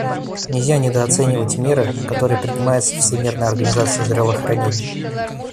Нельзя недооценивать меры, которые принимаются Всемирной организацией здравоохранения.